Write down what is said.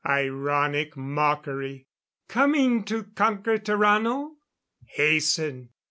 "_ Ironic mockery! _"Coming to conquer Tarrano? Hasten!